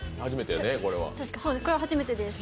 これは初めてです。